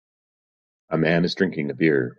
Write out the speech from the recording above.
A man is drinking a beer.